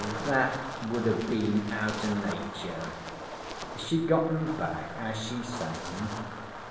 That would have been out o' Nature. She got 'em back as she sent 'em.